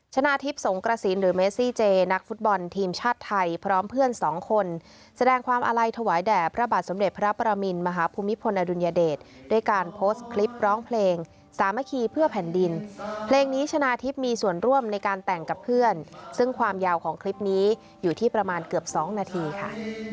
ชนะทิพย์สงกระสินหรือเมซี่เจนักฟุตบอลทีมชาติไทยพร้อมเพื่อนสองคนแสดงความอาลัยถวายแด่พระบาทสมเด็จพระประมินมหาภูมิพลอดุลยเดชด้วยการโพสต์คลิปร้องเพลงสามัคคีเพื่อแผ่นดินเพลงนี้ชนะทิพย์มีส่วนร่วมในการแต่งกับเพื่อนซึ่งความยาวของคลิปนี้อยู่ที่ประมาณเกือบ๒นาทีค่ะ